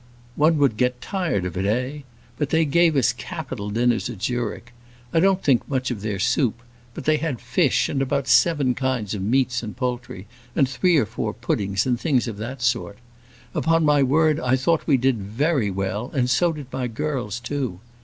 "One would get tired of it eh! But they gave us capital dinners at Zurich. I don't think much of their soup. But they had fish, and about seven kinds of meats and poultry, and three or four puddings, and things of that sort. Upon my word, I thought we did very well, and so did my girls, too.